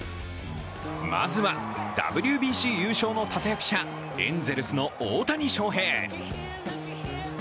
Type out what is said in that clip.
まずは、ＷＢＣ優勝の立役者、エンゼルスの大谷翔平。